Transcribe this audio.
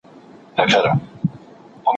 پیسې هر څه نه دي.